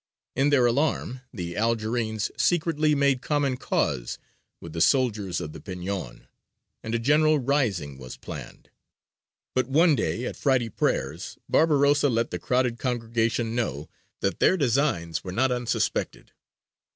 In their alarm, the Algerines secretly made common cause with the soldiers of the Peñon, and a general rising was planned; but one day at Friday prayers Barbarossa let the crowded congregation know that their designs were not unsuspected.